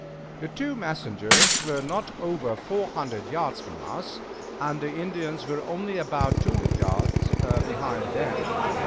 The two messengers were not over four hundred yards from us, and the Indians were only about two hundred yards behind them.